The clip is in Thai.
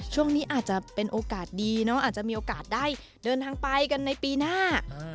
ช่วงนี้อาจจะเป็นโอกาสดีเนาะอาจจะมีโอกาสได้เดินทางไปกันในปีหน้า